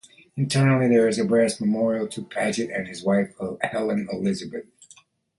Internally, there is a brass memorial to Paget and his wife Helen Elizabeth.